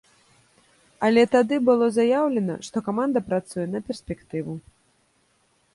Але тады было заяўлена, што каманда працуе на перспектыву.